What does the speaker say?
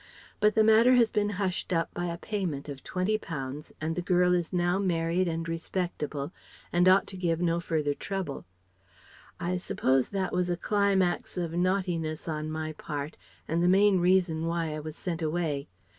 But the matter has been hushed up by a payment of twenty pounds and the girl is now married and respectable and ought to give no further trouble. I suppose that was a climax of naughtiness on my part and the main reason why I was sent away.